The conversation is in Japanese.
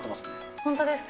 本当ですか？